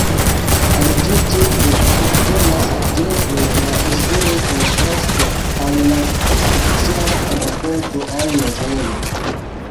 Al ĝi tipe apartenas, ekzemple, la eseo kontraste al la fikcia rakonto aŭ novelo.